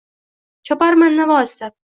Choparman navo istab…